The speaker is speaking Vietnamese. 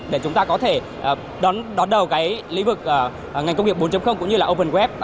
để chúng ta có thể đón đầu cái lĩnh vực ngành công nghiệp bốn cũng như là open web